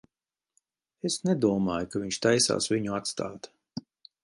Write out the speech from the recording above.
Es nedomāju, ka viņš taisās viņu atstāt.